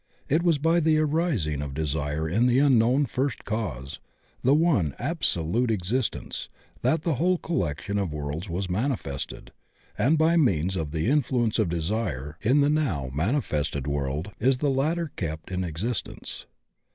It was by the arising of desire in the unknown first cause, the one absolute existence, that the whole collection of worlds was manifested, and by means of the influence of desire in the now manifested world is the latter kept in existence.